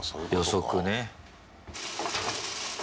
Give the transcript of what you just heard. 予測ね。